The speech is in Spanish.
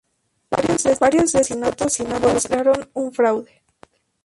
Varios de estos asesinatos involucraron un fraude.